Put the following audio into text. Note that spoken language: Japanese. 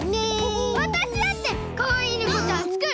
わたしだってかわいいねこちゃんつくる！